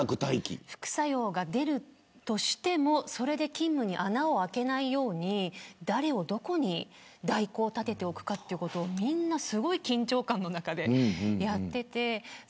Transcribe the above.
副作用が出るとしてもそれで勤務に穴を空けないように誰をどこに代行をたてておくかということをみんなすごい緊張感の中でやってて。